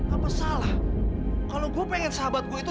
apa salah kalau gue pengen sahabat gue itu